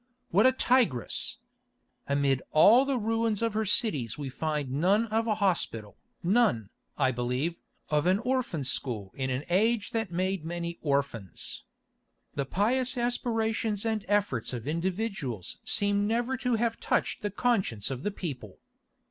What a tigress! Amid all the ruins of her cities we find none of a hospital, none, I believe, of an orphan school in an age that made many orphans. The pious aspirations and efforts of individuals seem never to have touched the conscience of the people.